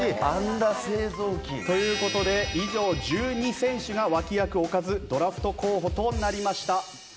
安打製造機。という事で以上１２選手が脇役おかずドラフト候補となりました。